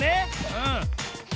うん。